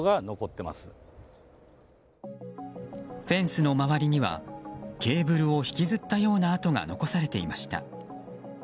フェンスの周りにはケーブルを引きずったような跡が残されていました。